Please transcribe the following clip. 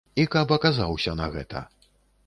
І каб аказаўся на гэта.